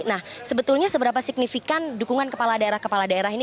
nah sebetulnya seberapa signifikan dukungan kepala daerah kepala daerah ini